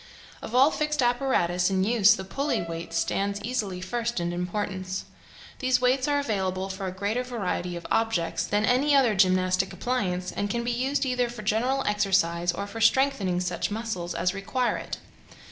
Of all fixed apparatus in use the pulley weight stands easily first in importance. These weights are available for a greater variety of objects than any other gymnastic appliance, and can be used either for general exercise or for strengthening such muscles as most require it.